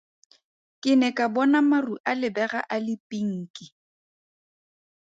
Ke ne ka bona maru a lebega a le pinki.